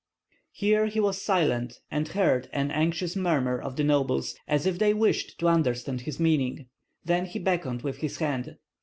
Here he was silent, and heard an anxious murmur of the nobles, as if they wished to understand his meaning; then he beckoned with his hand.